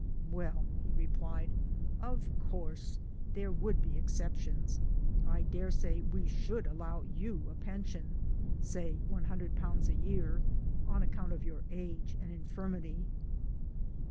Well/ he replied, ' of course there would be exceptions I daresay we should allow you a pension, say i oo a year, on account of your age and infirmity